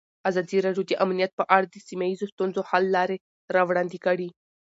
ازادي راډیو د امنیت په اړه د سیمه ییزو ستونزو حل لارې راوړاندې کړې.